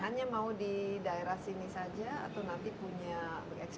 hanya mau di daerah sini saja atau nanti punya ekspor